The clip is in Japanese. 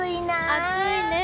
暑いね。